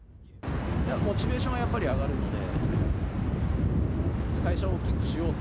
モチベーションがやっぱり上がるので。